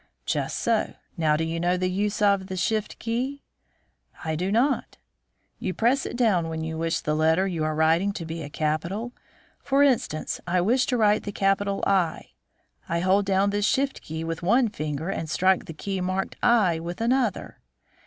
'" "Just so. Now, do you know the use of the 'Shift key?'" "I do not." "You press it down when you wish the letter you are writing to be a capital. For instance, I wish to write the capital I. I hold down this 'Shift key' with one finger and strike the key marked i with another."